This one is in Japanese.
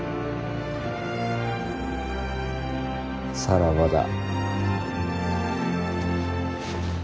さらばだ。